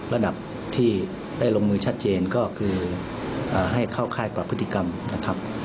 ระดับที่ได้ลงมือชัดเจนก็คือให้เข้าค่ายปรับพฤติกรรมนะครับ